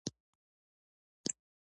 د اکتوبر څورلسمه مې پر کور تېره کړه.